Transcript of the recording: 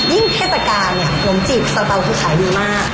ยิ่งเทศกาลเนี่ยขนมจีบสะระเป๋าคือขายดีมาก